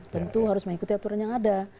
tentu harus mengikuti aturan yang ada